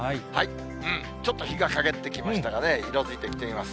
ちょっと日がかげってきましたがね、色づいてきています。